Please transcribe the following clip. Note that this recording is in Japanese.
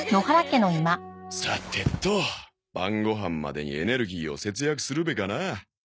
さてと晩ごはんまでにエネルギーを節約するべかな。